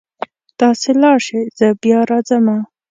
تاسې لاړ شئ زه بیا راځمه